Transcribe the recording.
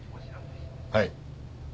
はい。